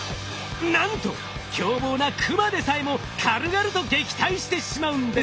なんと凶暴な熊でさえも軽々と撃退してしまうんです。